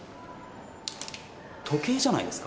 時計じゃないですか？